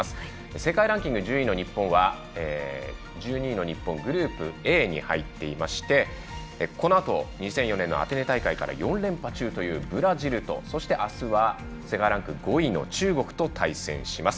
世界ランキング１２位の日本はグループＡに入っていましてこのあと２００４年のアテネ大会から４連覇中のブラジルとそして、あすは世界ランク５位の中国と対戦します。